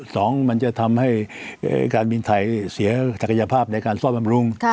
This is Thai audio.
สองมันจะทำให้การบินไทยเสียศักยภาพในการซ่อมบำรุง